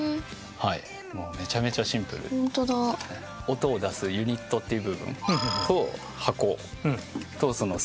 音を出すユニットっていう部分と箱と線。